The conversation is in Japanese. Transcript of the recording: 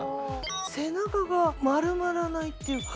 背中が丸まらないっていうか。